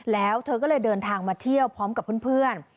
แล้วเธอก็เลยเดินทางมาเที่ยวพร้อมกับเพื่อน